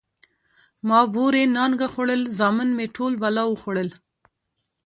ـ ما بورې نانګه خوړل، زامن مې ټول بلا وخوړل.